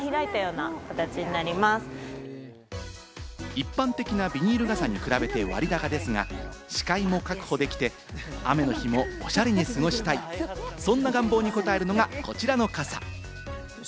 一般的なビニール傘に比べて割高ですが、視界も確保できて、雨の日もおしゃれに過ごしたい、そんな願望に応えるのがこちらの傘。